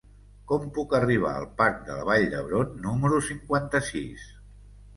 Com puc arribar al parc de la Vall d'Hebron número cinquanta-sis?